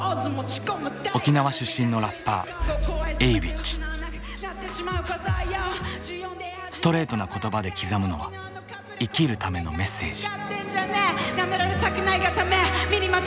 沖縄出身のラッパーストレートな言葉で刻むのは生きるためのメッセージ。